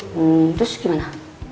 hmm terus gimana